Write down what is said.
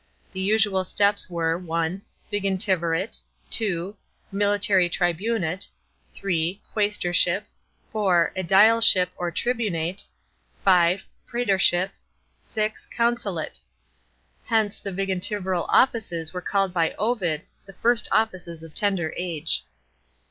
The usual steps were (1) vigintivirate, (2) military tribunate,* (3) qusestorship, (4) aedileship or tribunate, (5) praetorsh ip, (6) consulate. Hence the vigintiviral offices are called by Ovid " the first offices of tender age."